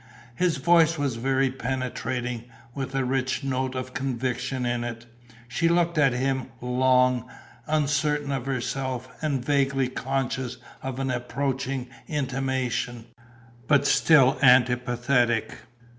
His voice was very penetrating, with a rich note of conviction in it. She looked at him long, uncertain of herself and vaguely conscious of an approaching intimation, but still antipathetic.